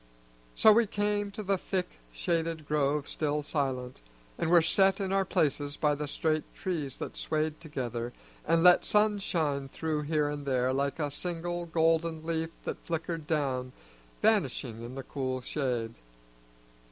So we came to the thick shaded grove still silent, and were set in our places by the straight trees that swayed together and let sunshine through here and there like a single golden leaf that flickered down, vanishing in the cool shade.